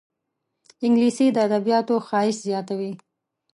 انګلیسي د ادبياتو ښایست زیاتوي